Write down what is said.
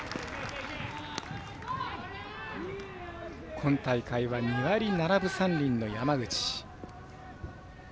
今大会は２割７分３厘の山口。